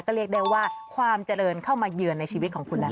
ก็เรียกได้ว่าความเจริญเข้ามาเยือนในชีวิตของคุณแล้ว